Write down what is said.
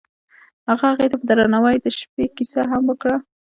هغه هغې ته په درناوي د شپه کیسه هم وکړه.